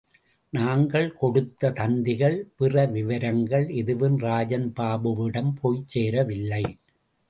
நாங்கள் கொடுத்த தந்திகள், பிற விவரங்கள் எதுவும் ராஜன்பாபுவிடம் போய் சேரவில்லை.